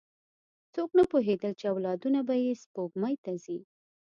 څوک نه پوهېدل، چې اولادونه به یې سپوږمۍ ته ځي.